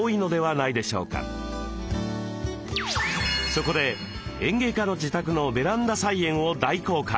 そこで園芸家の自宅のベランダ菜園を大公開。